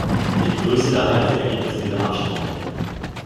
Ich begrüße daher das Ergebnis dieser Abstimmung.